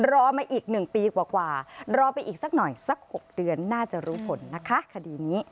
รอมาอีก๑ปีกว่ารอไปอีกสักหน่อยสัก๖เดือนน่าจะรู้ผลนะคะคดีนี้